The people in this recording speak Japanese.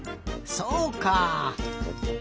そうか。